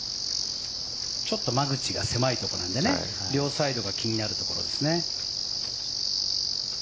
ちょっと間口が狭いところなので両サイドが気になるところですね。